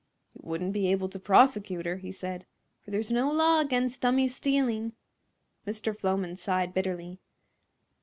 "You wouldn't be able to prosecute her," he said, "for there's no law against dummies stealing." Mr. Floman sighed bitterly.